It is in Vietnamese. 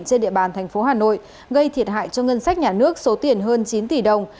trên địa bàn thành phố hà nội gây thiệt hại cho ngân sách nhà nước số tiền hơn chín tỷ đồng